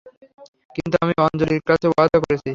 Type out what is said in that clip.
কিন্তু আমি আঞ্জলির কাছে ওয়াদা করেছি।